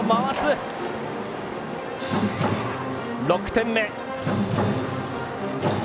６点目。